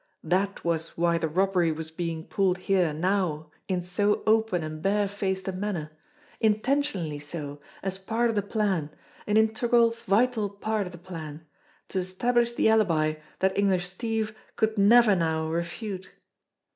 That was why the robbery was being pulled here now in so open and bare faced a manner, intentionally so, as part of the plan, an integral, vital part of the plan to establish the alibi that English Steve could never now refute!